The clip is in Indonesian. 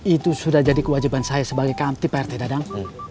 itu sudah jadi kewajiban saya sebagai kamtip pak rt dadang